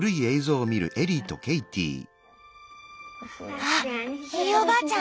わっひいおばあちゃん！